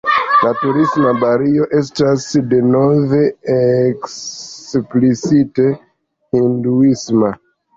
La turisma Balio estas denove eksplicite hinduisma.